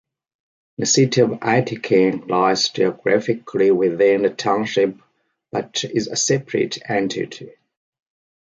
The city of Aitkin lies geographically within the township but is a separate entity.